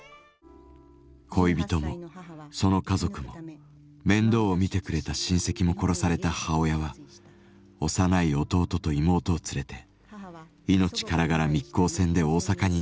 恋人もその家族も面倒を見てくれた親戚も殺された母親は幼い弟と妹を連れて命からがら密航船で大阪に逃げ帰ったのです。